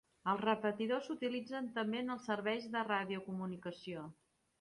Els repetidors s'utilitzen també en els serveis de radiocomunicació.